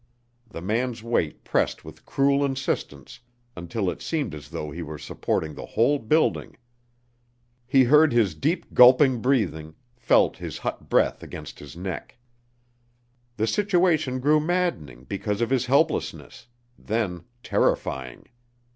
The man's weight pressed with cruel insistence until it seemed as though he were supporting the whole building. He heard his deep gulping breathing, felt his hot breath against his neck. The situation grew maddening because of his helplessness, then terrifying.